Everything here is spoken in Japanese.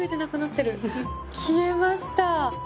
消えました！